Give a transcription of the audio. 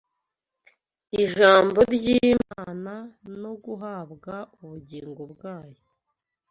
Ijambo ry’Imana no guhabwa ubugingo bwa Yo